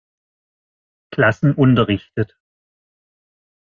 Klassen unterrichtet.